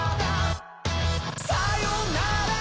さよなら